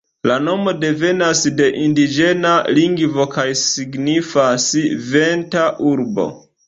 La nomo devenas de indiĝena lingvo kaj signifas ""venta urbo"".